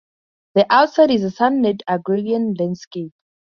The outside is a sunlit agrarian landscape.